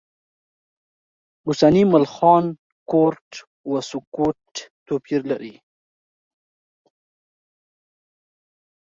اوسني ملخان کورټ و سکوټ توپیر لري.